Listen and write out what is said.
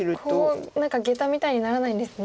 こう何かゲタみたいにならないんですね。